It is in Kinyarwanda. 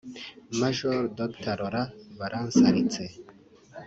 Major Dr Laurent Baransaritse